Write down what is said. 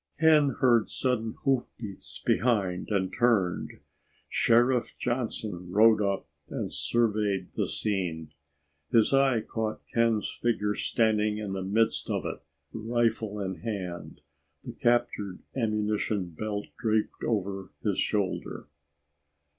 Ken heard sudden hoofbeats behind and turned. Sheriff Johnson rode up and surveyed the scene. His eye caught Ken's figure standing in the midst of it, rifle in hand, the captured ammunition belt draped over his shoulder.